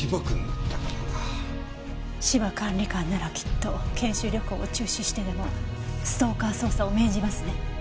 芝管理官ならきっと研修旅行を中止してでもストーカー捜査を命じますね。